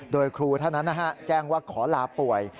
โดยครูท่านนั้นแจ้งว่าขอลาป่วย